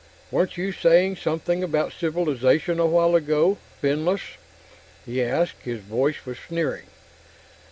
"Weren't you saying something about civilization a while ago, finless?" he asked. His voice was sneering.